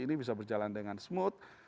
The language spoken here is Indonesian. ini bisa berjalan dengan smooth